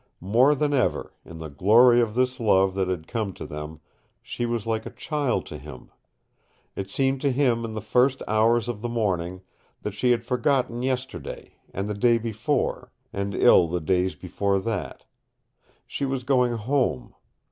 More than ever, in the glory of this love that had come to them she was like a child to him. It seemed to him in the first hours of the morning that she had forgotten yesterday, and the day before, and ill the days before that. She was going home.